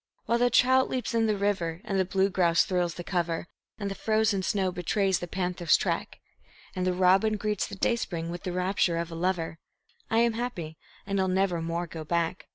While the trout leaps in the river, and the blue grouse thrills the cover, And the frozen snow betrays the panther's track, And the robin greets the dayspring with the rapture of a lover, I am happy, and I'll nevermore go back.